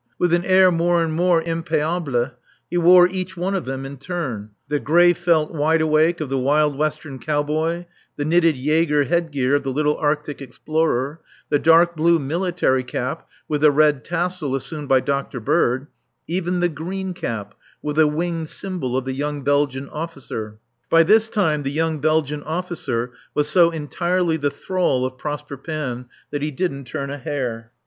With an air more and more "impayable" he wore each one of them in turn the grey felt wide awake of the wild western cowboy, the knitted Jaeger head gear of the little Arctic explorer, the dark blue military cap with the red tassel assumed by Dr. Bird, even the green cap with the winged symbol of the young Belgian officer. By this time the young Belgian officer was so entirely the thrall of Prosper Panne that he didn't turn a hair.